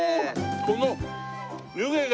この湯気が。